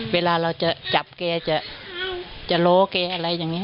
เวลาเราจะจับแกจะล้อแกอะไรอย่างนี้